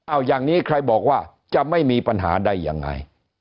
เอาอย่างนี้ใครบอกว่าจะไม่มีปัญหาได้ยังไง